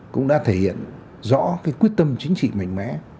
cũng đã thể hiện rõ cái quyết tâm chính trị mạnh mẽ